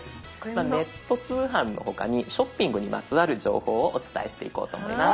ネット通販のほかにショッピングにまつわる情報をお伝えしていこうと思います。